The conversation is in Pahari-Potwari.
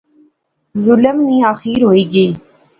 ظلم نی آخیر ہوئی گئی